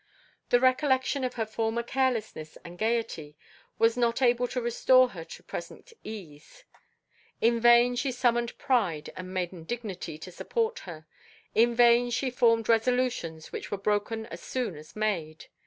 The recollection of her former carelessness and gaiety was not able to restore her to present ease. In vain she summoned pride and maiden dignity to support her. In vain she formed resolutions, which were broken as soon as made.